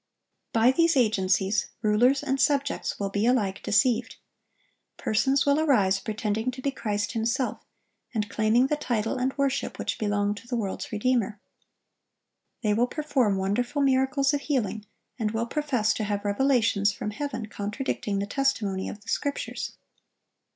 By these agencies, rulers and subjects will be alike deceived. Persons will arise pretending to be Christ Himself, and claiming the title and worship which belong to the world's Redeemer. They will perform wonderful miracles of healing, and will profess to have revelations from heaven contradicting the testimony of the Scriptures.